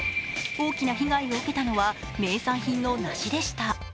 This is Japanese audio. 大きな被害を受けたのは名産品の梨でした。